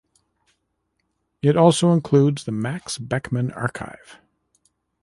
It also includes the Max Beckmann Archive.